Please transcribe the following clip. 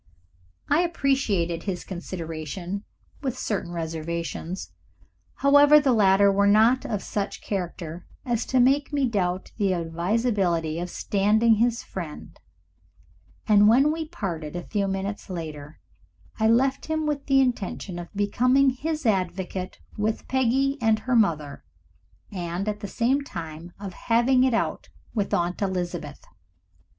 I appreciated his consideration, with certain reservations. However, the latter were not of such character as to make me doubt the advisability of standing his friend, and when we parted a few minutes later I left him with the intention of becoming his advocate with Peggy and her mother, and at the same time of having it out with Aunt Elizabeth.